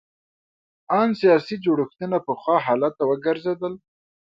ان سیاسي جوړښتونه پخوا حالت ته وګرځېدل.